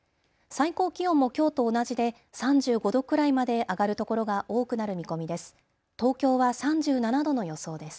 最高気温もきょうと同じで３５度くらいまで上がる所が多くなる見込みです。